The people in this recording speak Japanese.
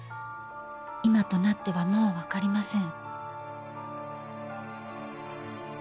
今となってはもう分かりません